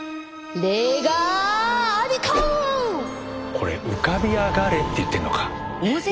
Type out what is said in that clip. これ浮かび上がれって言ってるのか。